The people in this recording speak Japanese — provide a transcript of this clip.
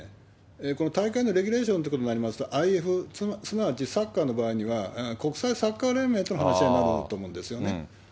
この大会のレギュレーションっていうことになりますと、すなわちサッカーの場合には、国際サッカー連盟との話し合いになると思うんですよね。